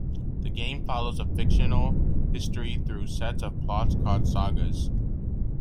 The game follows a fictional history through sets of plots called "Sagas".